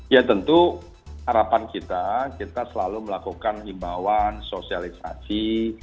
ya tentu harapan kita kita selalu melakukan himbawan sosialisasi